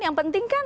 yang penting kan